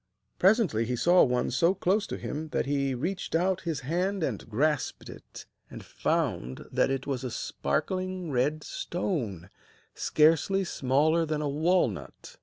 Presently he saw one so close to him that he reached out his hand and grasped it, and found that it was a sparkling red stone, scarcely smaller than a walnut.